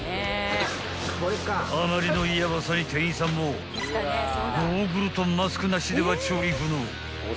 ［あまりのヤバさに店員さんもゴーグルとマスクなしでは調理不能］